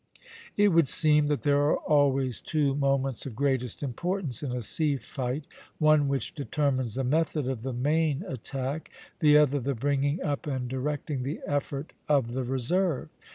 It would seem that there are always two moments of greatest importance in a sea fight; one which determines the method of the main attack, the other the bringing up and directing the effort of the reserve.